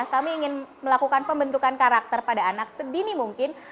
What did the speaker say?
kami ingin melakukan pembentukan karakter pada anak sedini mungkin